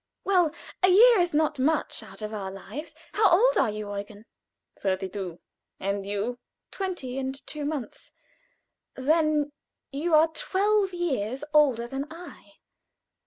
"Well, a year is not much out of our lives. How old are you, Eugen?" "Thirty two. And you?" "Twenty and two months; then you are twelve years older than I.